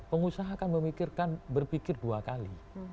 pengusaha akan memikirkan berpikir dua kali